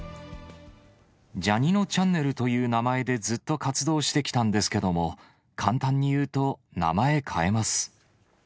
ジャにのちゃんねるという名前でずっと活動してきたんですけども、簡単に言うと、名前変えます。